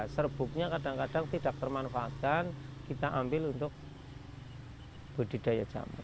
serbuknya kadang kadang tidak termanfaatkan kita ambil untuk budidaya jamur